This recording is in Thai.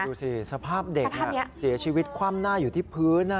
ดูสิสภาพเด็กเสียชีวิตคว่ำหน้าอยู่ที่พื้น